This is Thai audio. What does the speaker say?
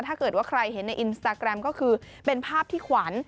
ถ้าเกิดว่าใครเห็นในอินสตาแกรมก็คือเป็นภาพที่ขวัญ